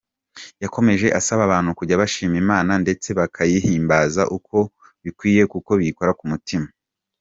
Yakomeje asaba abantu kujya bashima Imana ndetse bakayihimbaza uko bikwiye kuko biyikora ku mutima.